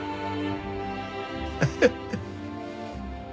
ハハハ。